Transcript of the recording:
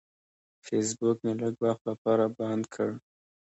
فیسبوک مې لږ وخت لپاره بند کړ.